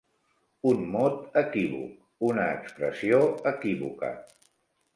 Un mot equívoc, una expressió equívoca.